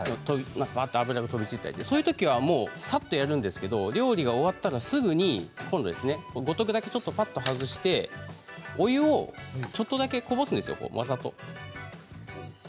油が飛び散ったりそういったときはさっとやるんですけれども料理が終わったらすぐに五徳だけ外してお湯をちょっとだけこぼすんですよ、わざと。